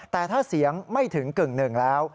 แต่ถ้าเสียงไม่ถึงกึ่งหนึ่งแล้ว